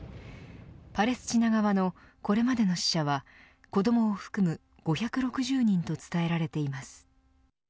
パレスチナ側のこれまでの死者は子どもを含む５６０人と伝えられています。